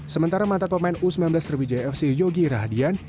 sementara mantan pemain u sembilan belas sriwijaya fc yogi rahadian